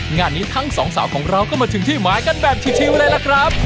งานนี้ทั้งสองสาวของเราก็มาถึงที่หมายกันแบบชิวเลยล่ะครับ